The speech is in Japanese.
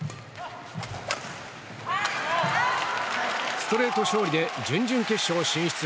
ストレート勝利で準々決勝進出！